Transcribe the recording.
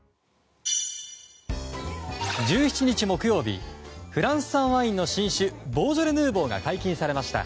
１７日木曜日フランス産ワインの新種ボージョレ・ヌーボーが解禁されました。